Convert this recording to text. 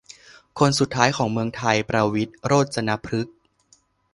คนสุดท้ายของเมืองไทย ประวิตร โรจนพฤกษ์